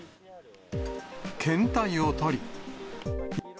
検体を採り。